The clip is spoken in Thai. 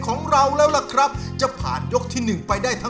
ดูเขาเล็ดดมชมเล่นด้วยใจเปิดเลิศ